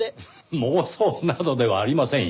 妄想などではありませんよ。